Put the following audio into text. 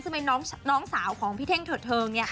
ซึ่งเป็นน้องสาวของพี่เท่งเถิดเทิง